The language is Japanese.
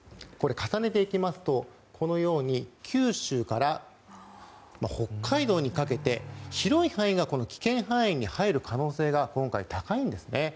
重ねていきますとこのように九州から北海道にかけて広い範囲が危険半円に入る可能性が今回、高いんですね。